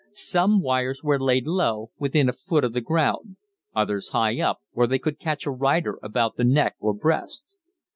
Some wires were laid low, within a foot of the ground, others high up, where they could catch a rider about the neck or breast.